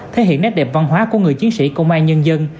thể hiện nét đẹp văn hóa của người chiến sĩ công an nhân dân